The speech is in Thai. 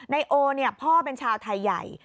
ไนโอเนี่ยพ่อเป็นชาวไทยใหญ่